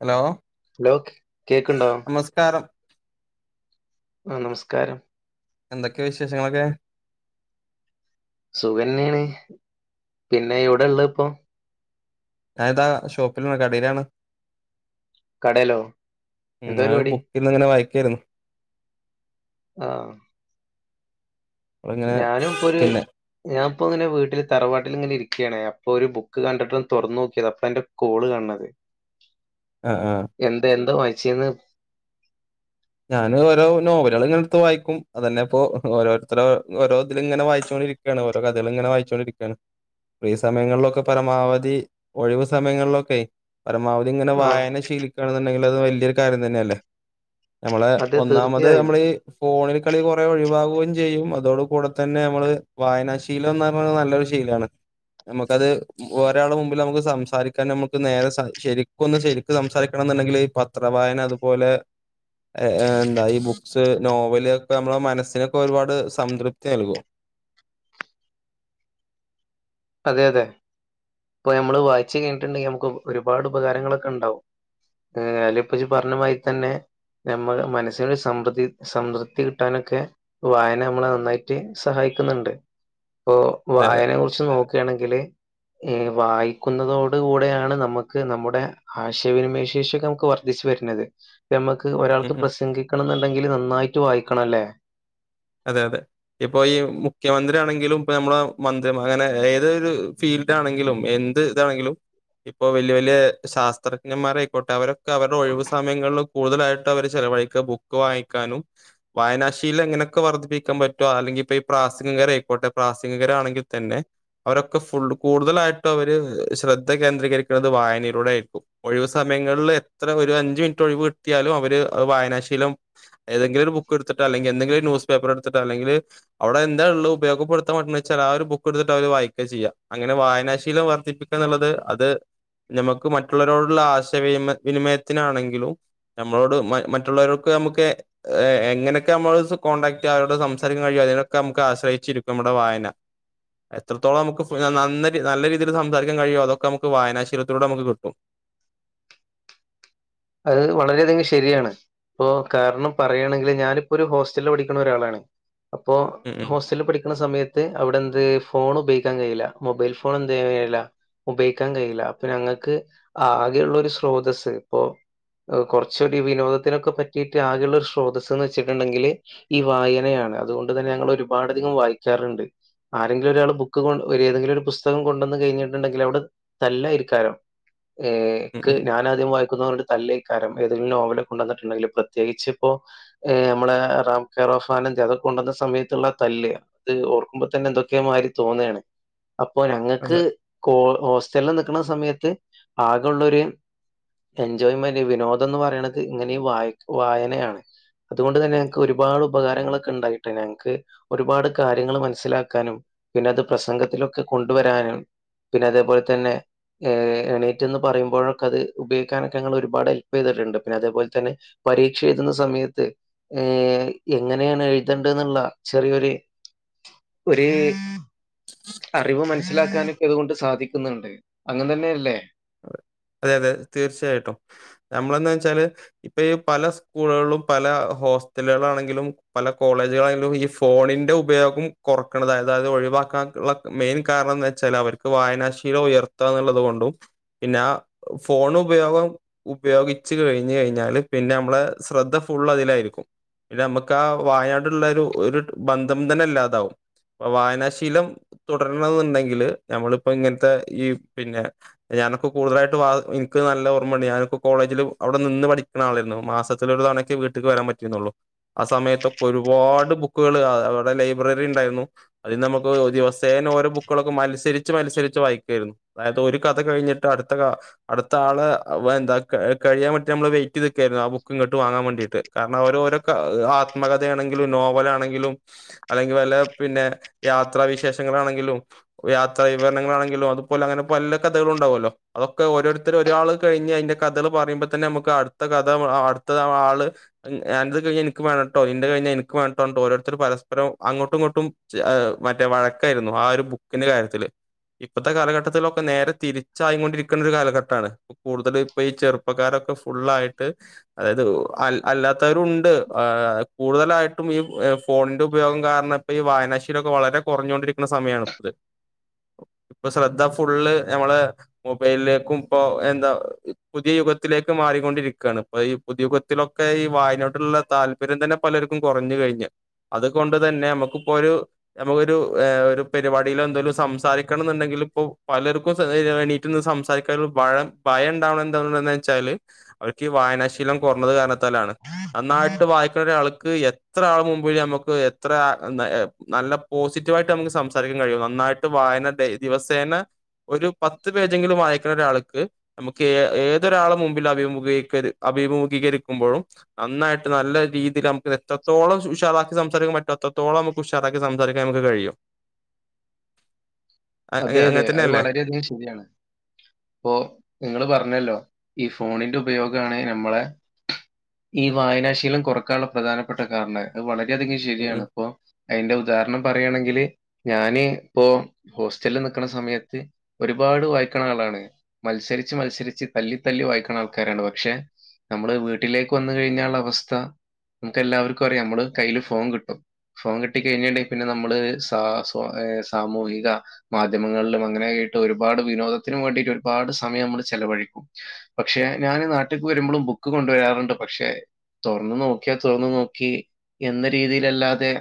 Hello hello കേക്ക്ണ്ടോ നമസ്കാരം ആ നമസ്കാരം എന്തൊക്കെയാ വിശേഷങ്ങളൊക്കെ സുഖന്നെയാണ് പിന്നെ എവിടെള്ള ഇപ്പൊ ഞാൻ ഇതാ ഷോപ്പിലാണ് കടേലാണ് കടയിലോ എന്താ ഞാൻ പരിപാടി ബുക്കില്ങ്ങനെ വായിക്കായിരുന്നു ആഹ് അപ്പളിങ്ങനെ ഞാനും ഇപ്പൊരു പിന്നെ ഞാൻ അപ്പൊങ്ങനെ വീട്ടില് തറവാട്ടിൽ ഇങ്ങനെ ഇരിക്കാണ് അപ്പോ ഒരു ബുക്ക് കണ്ടിട്ടൊന്ന് തൊറന്ന് നോക്കിയതാ അപ്പൊന്റെ കോള് കണ്ടത് ആ ആ എന്താ എന്താ വായിച്ചീന്നെ ഞാന് ഓരോ നോവലേൾ ഇങ്ങനെടുത്ത് വായിക്കും അത് തന്നെ ഇപ്പോ ഓരോരുത്തര ഓരോ ഇതില് ഇങ്ങനെ വായിച്ചോ രിക്കാണ് ഓരോ കഥകൾ ഇങ്ങനെ വായിച്ചോണ്ടിരിക്കയാണ് ഫ്രീ സമയങ്ങളിലൊക്കെ പരമാവധി ഒഴിവ് സമയങ്ങളിലൊക്കെ പരമാവധി ഇങ്ങനെ ആ വായന ശീലിക്കാണ്ന്ന്ണ്ടെങ്കിൽ അത് വല്യയൊരു കാര്യം തന്നെയല്ലേ നമ്മളെ അതെ ഒന്നാമത് തീർച്ചയായും നമ്മൾ ഈ ഫോണിൽ കളി കൊറെ ഒഴിവാക- ചെയ്യും അതോട കൂടെ തന്നെ നമ്മള് വായനാ ശീലം എന്ന് പറുന്നത് നല്ലൊരു ശീലമാണ് നമുക്കത് ഒരാള മുമ്പിൽ നമുക്ക് സംസാരിക്കാൻ നമുക്ക് നേരെ ശരിക്കൊന്ന് ശരിക്കും സംസാരിക്കണം ഉണ്ടെങ്കിൽ ഈ പത്രവായന അതുപോലെ ഏ എന്താ ഈ ബുക്സ് നോവല് ഒക്കെ നമ്മുടെ മനസ്സിനൊക്കെ ഒരുപാട് സംതൃപ്തി നൽകും അതെ അതെ ഇപ്പൊ നമ്മള് വായിച്ചു കഴിഞ്ഞിട്ടുണ്ടെങ്കിൽ നമുക്ക് ഒരുപാട് ഉപകാരങ്ങളൊക്കെ ഉണ്ടാവും അതിലിപ്പം ഇജ്ജ് പറഞ്ഞമാതിരി തന്നെ നമ്മ മനസ്സിനൊരു സമൃദ്ധി സംതൃപ്തി കിട്ടാനൊക്കെ വായന നമ്മളെ നന്നായിട്ട് സഹായി ക്കുന്നുണ്ട് ഇപ്പൊ അതെ അതെ വായനെ കുറിച്ച് നോക്കുകയാണെങ്കില് വായിക്കുന്നതോട് കൂടെയാണ് നമുക്ക് നമ്മുടെ ആശയവിനിമയ ശേഷൊക്കെ നമുക്ക് വർദ്ധിച്ചു വര- ക്കണത്‌ നമ്മുക്ക് ഉം ഒരാൾക്ക് ഉം. പ്രസംഗിക്കണം എന്നുണ്ടെങ്കിൽ നന്നായിട്ട് വായിക്കണമല്ലേ അതെ അതെ ഇപ്പൊ ഈ മുഖ്യമന്ത്രി ആണെങ്കിലും ഇപ്പ നമ്മുടെ മന്ത്രി അങ്ങനെ ഏതൊരു ഫീൽഡ ഇതാണെങ്കിലും എന്ത് ഇതാണെങ്കിലും ഇപ്പൊ വലയ വലിയ ശാസ്ത്രജ്ഞന്മാരയിക്കോട്ടെ അവരൊക്കെ അവരുടെ ഒഴിവു സമയങ്ങളിൽ കൂടുതലായിട്ടും അവർ ചി- ചെലവഴിക്കുക ബുക്ക് വായിക്കാനും വായനാ ശീലമിങ്ങനെ ക്കൊ വർദ്ധിപ്പിക്കാൻ പറ്റോ അല്ലെങ്കിൽ ഇപ്പൊ ഈ പ്രാസംഗകര് ആയിക്കോട്ടെ പ്രാസംഗകര ആണെങ്കിൽ തന്നെ അവരൊക്കെ ഫുൾ കൂടുതലായിട്ടും അവര് ശ്രദ്ധ കേന്ദ്രീരിക്കുന്നത് വായനയിലൂടെ ആയിരിക്കും ഒഴിവ് സമയത്ത് പെങ്ങളിൽ ഒരു അഞ് മിനിറ്റ് ഒഴിവ് കിട്ടിയാലും അവര് വായനാശീലം ഏതെങ്കിലും ഒരു ബുക്ക് എടുത്തിട്ട് എന്തെങ്കിലും ഒരു ന്യൂസ്സ് പേപ്പറെടുത്തിട്ടു അല്ലെങ്കിൽ അവിടെ എന്താ ഉള്ള ഉപയോഗപ്പെടുത്താൻ പറ്റുന്ന ആ ഒരു ബുക്ക് എടുത്തിട്ട് അവര് വായിക്കുക ചെയ്യാം അങ്ങനെ പവായനാശീലം വർദ്ധിപ്പിക്കുക എന്നുള്ളത് അത് നമുക്ക് മറ്റുള്ളവരോടുള്ള ആശയവിനിമ വിനിമയത്തിനാണെങ്കിലും നമ്മളോട് മറ്റുള്ളവർക്ക് നമുക്ക് എങ്ങനെയൊക്കെ നമ്മ കോൺടാക്ട് അവരോട് സംസാരിക്കൻ കഴിയും അതിനൊക്കെ നമു ആ്രയിച്ചിരിക്കുംമ്മടെ വായന എത്രത്തോളം നമുക്ക് ന നല്ല രീതിയിൽ സംസാരിക്കാൻ കഴിയുമോ അതൊക്കെ നമുക്ക് വായനാശീലത്തിലൂടെ നമുക്ക് കിട്ടും [inaudible] അത് വളരെയധികം ശരിയാണ് ഇപ്പൊ കാരണം പറയുകയാണെങ്കിൽ ഞാനിപ്പോ ഒരു ഹോസ്റ്റലില് പഠിക്കുന്ന ഒരാളാണ് അപ്പോ ഉം ഉം ഹോസ്റ്റലിൽ പഠിക്കുന്ന സമയത്ത് അവിടെന്ത് ഫോൺ ഉപയോഗിക്കാൻ കഴിയില്ല മൊബൈൽ ഫോൺ എന്തയ്യാം കഴിയില്ല ഉപയോഗിക്കാൻ കഴിയില്ല അപ്പ ഞങ്ങൾക്ക് ആകെയുള്ള ഒരു സ്രോതസ്സ് ഇപ്പൊ കുറച്ചൂടി വിനോദത്തിനൊക്കെ പറ്റിയിട്ട് ആകെയുള്ള ഒരു സ്രോതസ്സ് എന്ന് വെച്ചിട്ടുണ്ടെങ്കിൽ ഈ വായന അതുകൊണ്ട് തന്നെ ഞങ്ങൾ ഒരുപാട് അധികം വായിക്കാറുണ്ട് ആരെങ്കിലും ഒരാള് ബുക്ക് കൊ ഒ ഏതെങ്കിലും ഒരു പുസ്തകം കൊണ്ടുവന്ന് കഴിഞ്ഞിട്ടുണ്ടെങ്കിൽ അവിടെ തല്ലയിരിക്കാരം ഉം ഏക്ക് ഉം ഞാനാദ്യം വായിക്കുന്നറഞ്ഞട്ട് തല്ലക്കാരം ഏതെങ്കിലും നോവല് കൊണ്ടുവന്നിട്ടുണ്ടെങ്കിൽ പ്രത്യേകിച്ച്പ്പോ നമ്മുടെ രാം കെയർ ഓഫ് ആന അതൊക്ക കൊണ്ടുവന്ന സമയത്തുള്ള തല് അത് ഓർക്കുമ്പോ തന്നെ എന്തൊക്കെയ മാരി തോന്നാണ് അപ്പോ അതെ ഞങ്ങൾക്ക് കോ ഹോസ്റ്റല സമയത്ത് ആകുള്ളൊരു എൻജോയ് ജോയ്മെന്റ് വിനോദം എന്ന് പറയണുന്നത് ഇങ്ങനെ വ വായനയാണ് അതുകൊണ്ട് തന്നെ ഞക്ക് ഒരുപാട് ഉപകാരങ്ങളൊക്കെ ഉണ്ടായിട്ട് ഞങ്ങൾക്ക് ഒരുപാട് കാര്യങ്ങൾ മനസ്സിലാക്കാനും പിന്നെ അത് പ്രസംഗത്തിലൊക്കെ കൊണ്ടുവരാനും പിന്നെ അതേപോലെ തന്നെ എണീറ്റ് നിന്ന് പറയുമ്പോഴൊക്കെ അത് ഉപയോഗിക്കാനൊ ങ്ങൾ ഒരുപാട് ഹെൽപ് ചെയ്തിട്ടുണ്ട് പിന്നെ അതേപലെന്നെ പരീക്ഷ എഴുതുന്ന സമയത്ത് ഏ എങ്ങനെയാണ് എഴുതേണ്ട എന്നുള്ള ചെറിയൊരു ഒരു അറിവ് മനസ്സിലാക്കാാന ഇക്ക അതുകൊണ്ട് സാധിക്കുന്നുണ്ട് അങ്ങന തന്നെയല്ലേ അ അതെ അതെ തീർച്ചയായിട്ടും നമ്മളെന്താ വെച്ചാല് ഇപ്പ ഈ പല സ്കൂളുകളിലും പല ഹോസ്റ്റലുകളാണെങ്കിലും പല കോളേജുകളാണെങ്കിലും ഈ ഫോണിന്റെ ഉപയോഗം കുറക്കണത് അതായത് ഒഴിവ അകാ ക്ല ക് മെയിൻ കാരണംന്ന് വെച്ചാൽ അവർക്ക് വായനാശീലം ഉയർത്താന്നുള്ളത് കൊണ്ടും പിന്നെ ആ ഫോൺ ഉപയോഗം ഉപയോഗിച്ച് കഴിഞ്ഞ് കഴിഞ്ഞാല് പിന്നെ നമ്മടെ ശ്രദ്ധ ഫുള്ള് അതിലായിരിക്കും പിന്നെ നമുക്ക് ആ വായനയോടുള്ളൊരു ഒരു ഒരു ബന്ധം തന്നെ ഇല്ലാതാവും അപ്പോ വായനാശീലം തുടരണോന്നുണ്ടെങ്കില് ഞമ്മളിപ്പോ ഇങ്ങനത്തെ ഈ പിന്നെ ഞാനൊക്കെ കൂടുതലായിട്ട് വാ എനിക്ക് നല്ല ഓർമ്മയുണ്ട് ഞാനൊക്കെ കോളേജില് അവിടെ നിന്ന് പഠിക്കണ ആളായിരുന്നു മാസ ല് ഒന്നൊക്കെയെ വീട്ടുക്ക് വരാൻ പറ്റീരുന്നുള്ളു ആ സമയത്തൊക്കെ ഒരുപാട് ബുക്കുകൾ അവിടെ ലൈബ്രറി ഉണ്ടായിരുന്നു അതീന്ന് നമുക്ക് ദിവസേന ഓരോ ബുക്കുകളൊക്കെ മത്സരിച്ച് മത്സരിച്ച് വായിക്കുവാരുന്നു അതായത് ഒരു കഥ കഴിഞ്ഞിട്ട് അടുത്ത അടുത്ത ആളെ എന്താ കഴിയാൻ വേണ്ടീട്ട് നമ്മള് വെയിറ്റ് ചെയ്ത് നിക്കുവാരുന്നു ആ ബുക്ക് ഇങ്ങോട്ട് വാങ്ങാൻ വേണ്ടിട്ട് കാരണം ഓരോരോ ആത്മകഥയാണെങ്കിലും നോവലാണെങ്കിലും അല്ലെങ്കിൽ വല്ലോ പിന്നെ യാത്രാ വിശേഷങ്ങളാണെങ്കിലും യാത്രാ വിവരണങ്ങളാണെങ്കിലും അതുപോലെ അങ്ങനെ പല കഥകൾ ഉണ്ടാവുമല്ലോ അതൊക്കെ ഓരോരുത്തർ ഒരാൾ കഴിഞ്ഞ് അതിന്റെ കഥകൾ പറയുമ്പോ തന്നെ നമുക്ക് അടുത്ത കഥ അ ടുത്ത ആള് അന്റെ കഴിഞ്ഞാൽ എനിക്ക് വേണോട്ടൊ അന്റെ കഴിഞ്ഞാൽ എനിക്ക് വേണോട്ടൊ ഓരോരുത്തർ പരസ്പരം അങ്ങോട്ടും ഇങ്ങോട്ടും മറ്റേ വഴക്കായിരുന്നു ആ ഒരു ബുക്കിന്റെ കാര്യത്തില് ഇപ്പഴത്തെ കാലഘട്ടത്തിലൊക്കെ നേരെ തിരിച്ചായി കൊണ്ടിരിക്കുന്ന ഒരു കാലഘട്ടമാണ് ഇപ്പൊ കൂടുതലും ഇപ്പൊ ഈ ചെറുപ്പക്കാരൊക്കെ ഫുുള്ളായിട്ട് അതായത് അല്ലാത്തവരും ഉണ്ട് ആ കൂടുതലായിട്ടും ഈ ഫോണിന്റെ ഉപയോഗം കാരണം ഇപ്പോ ഈ വായനാശീലവൊക്കെ വളരെ കുറഞ്ഞോണ്ടിരിക്കുന്ന സമയാണ് ഇപ്പോള് ഇപ്പൊ ശ്രദ്ധ ഫുള്ള് ഞമ്മള് മൊബൈലിലേക്കും ഇപ്പൊ എന്താ പുതിയ യുഗത്തിലേക്ക് മാറിക്കൊണ്ടിരിക്കുകയാണ് ഇപ്പൊ ഈ പുതിയ യുഗത്തിലൊക്കെ ഈ വായനയോടുള്ള താല്പര്യം തന്നെ പലർക്കും കുറഞ്ഞു കഴിഞ്ഞു അതുകൊണ്ട് തന്നെ നമുക്ക് നമുക്കിപ്പോ ഒരു നമുക്കൊരു ഒരു പരിപാടിയിൽ എന്തേലും സംസാരിക്കണം എന്നുണ്ടെങ്കിൽ ഇപ്പോ പല ർക്കും എണീറ്റ് നിന്ന് സംസാരിക്കാുള്ള ഭയം ഭയം ഉണ്ടാവണത് എന്താന്ന് വെച്ചാൽ അവർക്ക് ഈ വായനാശീ ലം കുറഞ്ഞത് കാരണത്താലാണ് നന്നായിട്ട് വായിക്കുന്ന ഒരാൾക്ക് എത്ര ആള് മുൻപിലും നമുക്ക് എത്ര ആ നല്ല പോസിറ്റീവായിട്ട് നമുക്ക് സംസാരിക്കാൻ കഴിയും നന്നായിട്ട് വായന ദിവസേന ഒരു പത്ത് പേജെങ്കിലും വായിക്കുന്ന ഒരാൾക്ക് നമുക്ക് ഏ ഏതൊരാളുടെ മുമ്പിലും അഭിമുഖീകരിക്കരു അഭി അഭിമുഖീകരിക്കുമ്പോഴും നന്നായിട്ട് നല്ല രീതിൽ നമുക്ക് എത്രത്തോളം ഉഷാറാ ക്കി സംസാരിക്കാൻ പറ്റാത്തത്തോളം നമുക്ക് ഉഷാറാക്കി സംസാരിക്കാൻ നമുക്ക് കഴിയും അ അതെ അങ്ങനെ അതെ അങ്ങനെ അത് തന്നെയല്ലേ വളരെയധികം ശരിയാണ് അപ്പോ നിങ്ങള് പറഞ്ഞല്ലോ ഈ ഫോണിന്റെ ഉപയോഗമാണ് നമ്മളെ ഈ വായനാശീലം കുറക്കാനുള്ള പ്രധാനപ്പെട്ട കാരണം അത് വളരെ വളരെ അധികം ഉം ശരിയാണ് ഉം അപ്പൊ അതിന്റെ ഉദാഹരണം പറയുകയാണെങ്കില് ഞാൻ ഇപ്പൊ ഹോസ്റ്റലിൽ നിക്കണ സമയത്ത് ഒരുപാട് വായിക്കണ ആളാണ് മത്സരിച്ച് മത്സരിച്ച് തല്ലി തല്ലി വായിക്കുന്ന ആൾക്കാരണ്ട് പക്ഷെ നമ്മള് വീട്ടിലേക്ക് വന്ന് കഴിഞ്ഞാ ഉള്ള അവസ്ഥ നമുക്ക് എല്ലാവർക്കും അറിയാം നമ്മള് കയ്യില് ഫോൺ കിട്ടും ഫോൺ കിട്ട കഴിഞ്ഞുണ്ടെങ്കിൽ പിന്നെ നമ്മള് സ സാമൂഹിക മാധ്യമങ്ങളിലും അങ്ങനെക്കയിട്ട് ഒരുപാട് വിനോദത്തിനന് വേണ്ടിട്ട് ഒരുപാട് സമയം നമ്മള് ചെലവഴിക്കും പെട്ടന്ന് പക്ഷെ ഞാന് നാട്ടിലക്ക് വരുമ്പോഴും ബുക്ക് കൊണ്ട് വരാറുണ്ട് പക്ഷേ തുറന്നു നോക്കിയാ തുറന്നു നോക്കി എന്ന രീതിയിലല്ലാതെ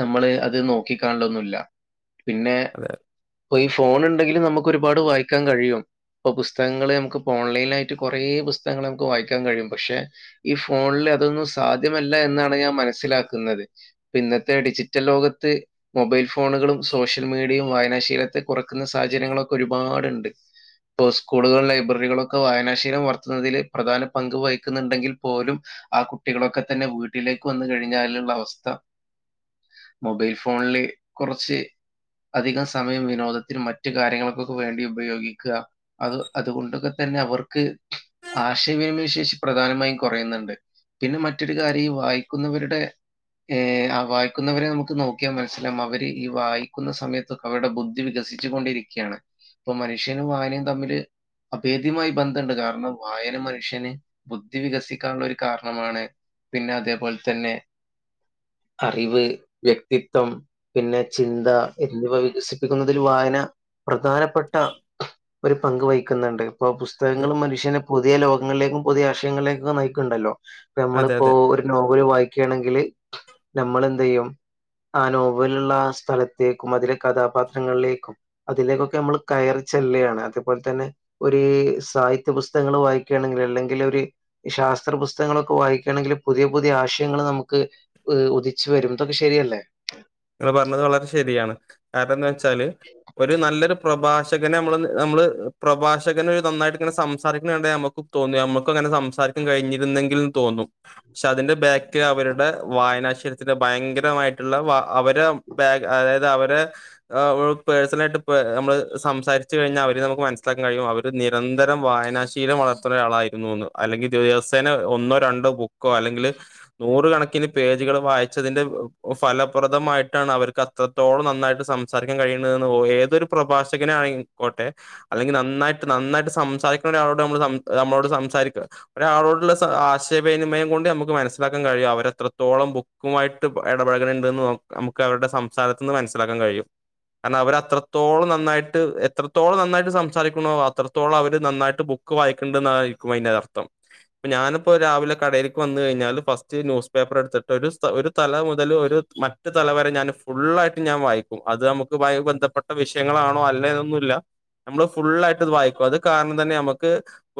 നമ്മള് അത് നോക്കിക്കണലെന്നുമില്ല പിന്നെ അതെ അപ്പൊ ഈ ഫോൺ ഉണ്ടെങ്കിലിൽ നമുക്ക് ഒരുപാട് വായിക്കാൻ കഴിയും ഇപ്പൊ പുസ്തകങ്ങള് നമുക്ക് ഇപ്പോ ഓൺലൈൻആയിട്ട് കുറേ പുസ്തങ്ങൾ നമുക്ക് വായിക്കാൻ കഴിയും പക്ഷെ ഈ ഫോണില് അതൊന്നും സാധ്യമല്ല എന്നാണ് ഞാൻ മനസിലാക്കുന്നത് ഇന്നത്തെ ഡിജിറ്റൽ ലോകത്ത് മൊബൈൽ ഫോണുകളും സോഷ്യൽ മീഡിയയും വായനാശീലത്തെ കുറക്കുന്ന സാഹചര്യങ്ങളൊക്കെ ഒരുപാടുണ്ട് ഇപ്പോസ്കൂളുകളൾ ലൈബ്രറികളൊക്കെ വായനാശീലം വർത്തുന്നതില് പ്രധാന പങ്ക് വഹിക്കുന്നുണ്ടെങ്കിൽ പോലും ആ കുട്ടികളൊക്കെ തന്നെ വീട്ടിലേക്ക് വന്ന കഴിഞ്ഞാലുള്ള അവസ്ഥ മൊബൈൽ ഫോണില് കുറച്ച് അധികം സമയം വിനോദത്തിൽ മറ്റ കാര്യങ്ങൾക്കൊക്കെ വേണ്ടി ഉപയോഗിക്കുക അത് അതുകൊണ്ടൊക്കെ തന്നെ അവർക്ക് ആശയവിനിമയ ശേഷി പ്രധാനമായും കുറയുന്നുണ്ട് പിന്നെ മറ്റൊരു കാര്യം വായിക്കുന്നവരുടെ ഏ ആ വായിക്കുന്നവരെ നമുക്ക് നോക്കിയാൽ മനസ്സിലാ അവര് ഈ വായി ക്കുന്ന സമയത്ത് അവരുടെ ബുദ്ധി വികസിച്ചു കൊണ്ടിരിക്കാണ് ഇപ്പൊ മനുഷ്യനും വായനയും തമ്മില് അഭേദ്യമായി ബന്ധുണ്ട് കാരണം വായന മനുഷ്യന് ബുദ്ധി വികസിക്കാനുള്ള ഒരു കാരണമാണ് പിന്നെ അതേപോലെ തന്നെ അറിവ് വ്യക്തിത്വം പിന്നെ ചിന്ത എന്നിവ വികസിപ്പിക്കുന്നതിൽ വായന പ്രധാനപ്പെട്ട ഒരു പങ്ക് വഹിക്കുന്നുണ്ട് ഇപ്പൊ അതെ പുസ്തകങ്ങളും മനുഷ്യനെ പുതിയ ലോകങ്ങളിലേക്കും പുതിയ ആശയങ്ങളിലേക്കെ നയിക്കുണ്ടല്ലോ അതെ അതെ നമ്മളിപ്പോഒരു നോവല് വായിക്കയാണെങ്കില് നമ്മൾ എന്ത് ചെയ്യും ആ നോവലുള്ള ആ സ്ഥലത്ത് തെക്കും അതിലെ കഥാപാത്രങ്ങളിലേക്കും അതിലേക്കൊക്കെ നമ്മൾ കയറിച്ചെല്ലയാണ് അതേപോലെ തന്നെ ഒരു ഈസാഹിത്യ പുസ്തങ്ങൾ വായിക്കുകയാണെങ്കിൽ അല്ലെങ്കിൽ ഒരു ശാസ്ത്ര പുസ്തകങ്ങളൊക്കെ വായിക്കുകയാണെങ്കിൽ പുതിയ പുതിയ പുതിയ ആശയങ്ങൾ നമുക്ക് ഉദിച്ചു വരും ഇതൊക്കെ ശരിയല്ലേ അ പറഞ്ഞത് വളരെ ശരിയാണ് കാരണംന്ന് വെച്ചാല് ഒരു നല്ലൊരു പ്രഭാഷകനെ നമ്മള് നമ്മള് പ്രഭാഷകന ഒരു നന്നായിട്ട് ഇങ്ങെ സംസാരിക്കണണ്ട നമുക്ക് തോന്നി നമ്മുക്കങ്ങനെ സംസാരിക്കാ കഴിഞ്ഞിരുന്നെങ്കിൽ തോന്നും പക്ഷെ അതിന്റെ ബാകില വര്ടെ വായനാശിലതിന്റെ ഭയങ്ക ങ്കരമായിട്ടുള്ള വാ അവരെ ബാഗ് അതായത് അവരെ പേഴ്സണല ആയിട്ട് നമ്മള് സംസാരിച്ചു കഴിഞ്ഞാൽ അവര് നമുക്ക് മനസ്സിലാക്കൻ കഴിയും അവർ നിരന്തരം വായനാശീലം വളർത്തുന്ന ഒരാളായിരുന്നു എന്ന് അല്ലെങ്കിൽ ദിവ സെനെ ഒന്നോ രണ്ടോ ബുക്കോ അല്ലെങ്കിൽ നൂറുകണക്കിന് പേജുകൾ വായിച്ചതിന്റെ ഫലം പ്രദമായിട്ടാണ് അവർക്ക് അത്രത്തോളം നന്നായിട്ട് സംസാരിക്കാൻ കഴിയുന്നതെന്ന് ഏതൊരു പ്രഭാഷകനെയാണയി ട്ടെഅല്ലെങ്കിൽ നന്നായിട്ട് നന്നായിട്ട് സംസാരിക്കുന്ന ഒളോട് നമ്മ നമ്മളോട് സംസാരിക്ക ഒരാളോടുള്ള സ ആശയവിനിമയം കൊണ്ട് നമുക്ക് മനസ്സിലാക്കാൻ കഴിയും അവരെത്രോളം ബുക്കുമായിട്ട് ഇടപഴകണ് ത് നോക്ക നമുക്ക് അവരുടെ സംസാരത്തിൽ നിന്ന് മനസ്സിലാക്കാൻ കഴിയും കാരണം അവര് അത്രത്തോളം നന്നായിട്ട് എത്രത്തോളം നന്നായിട്ട് സംസാരിക്ക്ണോ അത്രത്തോളം അവര് നന്നായിട്ട് പുക് ക്ക് വായിക്ക്ണ്ട്ന്നായിരികും അയിൻ്റർത്ഥം പം ഞാനിപ്പോ രാവിലെ കടേയിൽക്ക് വന്ന് കഴിഞ്ഞാൽ ഫസ്റ്റ് ന്യൂസ്പേ പേപ്പറെട്ത്തിട്ട് ഒരു സ്ഥ ഒരു തല മുതൽ ഒരു മറ്റ തലവരെ ഞാൻ ഫുള്ളായിട്ട് ഞാൻ വായിക്കും അത് അമുക്കുമായി ബന്ധപ്പെട്ട വിഷയങ്ങളാണോ അല്ലേന്നൊന്നുല്ല അമ്മള് ഫുുള്ളായിട്ട് അത് വായിക്കും അത് കാരണം തന്നെ അമ്മക്ക്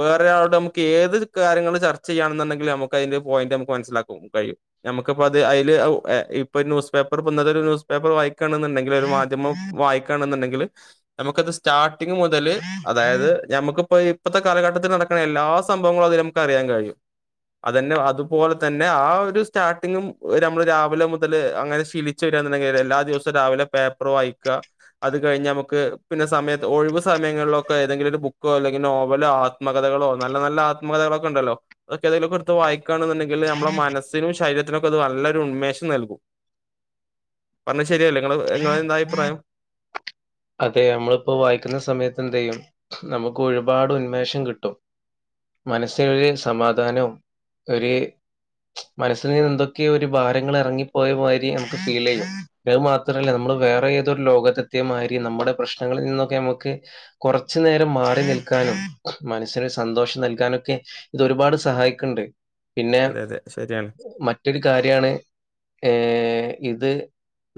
വേറ ഒരാളോട് അമുക്ക് ഏത് കാര്യങ്ങൾ ചർച്ച ചെയ്യാണ്ന്ന്ണ്ടെങ്കിൽ അമക് അയിൻ്റെ പോയിന്റ് അമക്ക് മനസിലാക്കും കഴിയും നമുക്കപ്പോ അത് അയില് ഔ ഏ ഇ ഇപ്പം ഒര് ന്യൂസ് പേപ്പറ് ഇപ്പന്നതൊര് ന്യൂസ് പേപ്പർ വായിക്കാണ്ന്ന്ണ്ടെങ്കിൽ ഒരു മാധ്യമം വായിക്കാണ്ന്ന്ണ്ടെങ്ക് ണ്ടെങ്കില് നമുക്കത് സ്റ്റാർട്ടിങ് മുതല് അതായത് ഞമുക്ക് ഇപ്പ ഇ ഇപ്പത്തെ കാലഘട്ടത്തിൽ നടക്ക്ണ എല്ലാ സംഭവങ്ങളും അതില് നമുക്ക് അറിയാൻ കഴിയും അതെന്നെ അതുപോലെ തന്നെ ആ ഒരു സ്റ്റാർട്ടിങ്ങും നമ്മള് രാവിലെ മു മുതല് അങ്ങനെ ശീലച് വെരാന്ന്ണ്ടെങ്കിൽ എല്ലാ ദിവസവും രാവിലെ പേപ്പർ വായിക്ക അത് കഴിഞ്ഞാമക്ക് പിന്നെ സമയത്ത് ഒഴിവ് സമയങ്ങളിലൊക്കെ ഏതെങ്കിലും ഒരു ബുക്കോ അല്ലെങ്കിൽ നോവലോ ആത്മകഥകളോ നല്ല നല്ല ആത്മകഥകളൊക്ക് കെണ്ടല്ലോ അതക്കെ ഏതെങ്കിലൊകെട്ത്ത് വായിക്കാണ്ന്ന് ണ്ടെങ്കില് ഞമ്മളെ മനസ്സിനുംഷരീത്തിനൊക്കത് നല്ലൊരു ഉന്മേഷം നൽകും പറഞ്ഞ ശരിയല്ല നിങ്ങള് നിങ്ങളെ എന്താ അഭിപ്രായം അതെ അമ്മളിപ്പോ വായിക്കുന്ന സമയത്ത് എന്തെയ്യും നമുക്കൊരുപാട് ഉന്മേഷം കിട്ടും മനസ്സിനൊരു സമാധാനവും ഒര് മനസ്സിൽ നിന്ന് എന്തൊക്കേയൊരു ഭാരങ്ങൾ എറങ്ങിപ്പോയ മാതിരി നമുക്ക് ഫീൽ ചെയ്യും പിന്നെ അത് മാത്രല്ല നമ്മക് വേറെ ഏതൊരു ലോകത്തെത്തിയ മാതിര് നമ്മുടെ പ്രശ്നങ്ങളിൽ നിന്നൊക്കെ നമുക്ക് കൊറച്ച് നേരം മാറി നിൽക്കാനും മനസ്സിന് സന്തോഷം നൽകാനൊക്കെ ഇത് ഒരുപാട് സഹായിക്ക്ണ്ട് പിന്നെ അതെ അതെ ശരിയാണ് മറ്റൊരു കാര്യാണ് ഏ ഇത്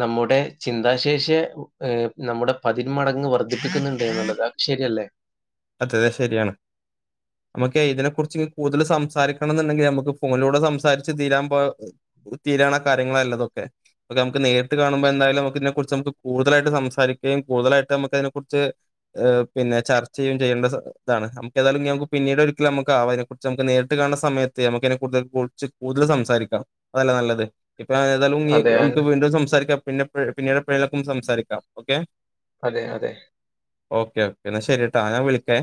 നമ്മുടെ ചിന്താശേഷിയെ ഏ നമ്മുടെ പതിന്മടങ്ങ് വർദ്ധിപ്പിക്കുന്നുണ്ട് എന്നുള്ളതാ ശരിയല്ലേ അതെയതെ ശരിയാണ് അമക്കേ ഇതിനെ കുറിച്ച് കൂടുതല് സംസാരിക്കണംന്ന്ണ്ടെങ്കിൽ അമക്ക് ഫോണിലൂടെ സംസാരിച്ച് തീരാൻ പോ തീരണ കാര്യങ്ങളല്ലതൊക്കെ ഇപം ത അമക്ക് നേരിട്ട് കാണുമ്പോ എന്തായാലും നമുക്ക്തീനെ കുറിച്ച് നമുക്ക് കൂടുതലായിട്ട് സംസാരിക്കുകയും കൂടുതലായിട്ട നമുക്ക് അയിനെ കുറിച്ച് എ പിന്നെ ചർച്ച ചെയ്യും ചെയ്യണ്ട ഇതാണ് നമുക്ക് തായാലും ഇനിഞമക്ക് പിന്നീട് ഒരിക്കല് നമുകാവം അയിനെകുറിച്ച് നമുക്ക് നേരിട്ട് കാണ് ണ സമയത്തെ നമുക്ക് അയിനെ കുർച് കുറിച്ച് കൂടുതൽ സംസാരിക്കാം അതല്ലെ നല്ലത് ഇപ്പൊ ഏതായാലും നീ അതെ. ഞാൻ- നമുക്ക് വീണ്ടും സംസാരിക്കാം പിന്നെപഴേ പിന്നീട് എപഴേലൊക്കൊന്ന് സംസാരിക്കാം ഓക്കെ അതെ അതെ ഓക്കേ ഓക്കേ എന്നാ ശരി ട്ടാ ഞാൻ വിളിക്കേ